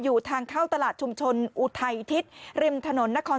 อยู่ทางเข้าตลาดชุมชนอุทัยทิศริมถนนนคร